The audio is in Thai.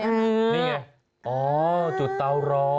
นี่ไงอ๋อจุดเตารอ